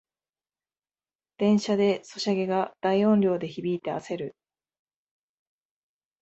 電車でソシャゲが大音量で響いてあせる